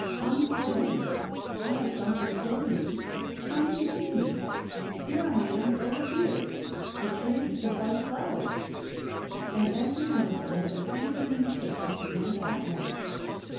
Come to see me. I have something for you. Come to see me. Here I am, over here, the tree with the white flpwers," 43 And every one of them that received an invitation went at once.